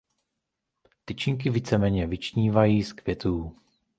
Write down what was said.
Tyčinky víceméně vyčnívají z květů.